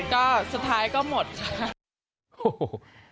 ก็สุดท้ายก็หมดค่ะ